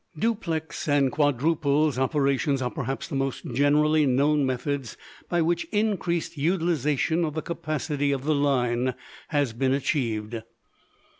Duplex and quadruples operations are perhaps the most generally known methods by which increased utilization of the capacity of the line has been achieved.